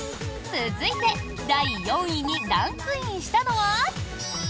続いて第４位にランクインしたのは。